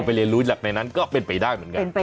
ไปเรียนรู้นักในนั้นก็เป็นไปได้